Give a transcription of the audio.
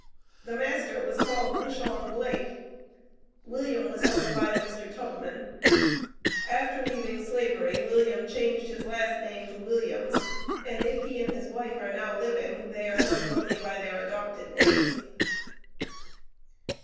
The master was called Bushong Blake. William was owned by a Mr. Tubman. After leaving Slavery, William changed his last name to Williams, and if he and his wife are now living, they are known only by their adopted names.